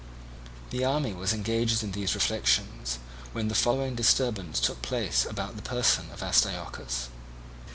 The army was engaged in these reflections, when the following disturbance took place about the person of Astyochus.